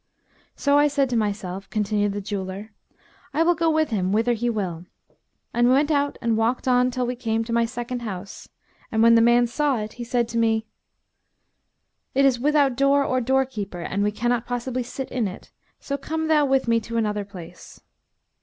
"So I said to myself" (continued the jeweller) "'I will go with him whither he will;' and went out and walked on till we came to my second house; and when the man saw it he said to me, 'It is without door or doorkeeper, and we cannot possibly sit in it; so come thou with me to another place.'